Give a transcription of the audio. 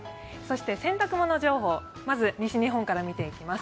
洗濯物情報、まず西日本から見ていきます。